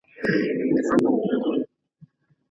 د معتوه طلاق صحت نلري؛ ځکه په اهليت کي ئې نقص دی.